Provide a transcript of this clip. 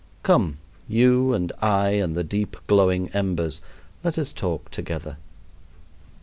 Come, you and I and the deep glowing embers, let us talk together.